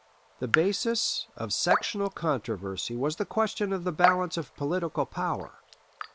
The basis of sectional controversy was the question of the balance of political power.